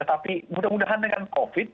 tapi mudah mudahan dengan covid